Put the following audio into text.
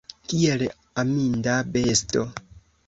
Kiel aminda besto!